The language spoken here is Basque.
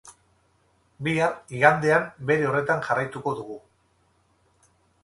Bihar, igandean bere horretan jarraituko dugu.